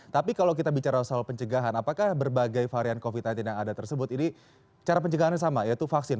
tapi kalau kita bicara soal pencegahan apakah berbagai varian covid sembilan belas yang ada tersebut ini cara pencegahannya sama yaitu vaksin